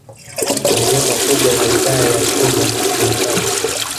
Maeneo makubwa ya Wilaya ya Chunya ni makavu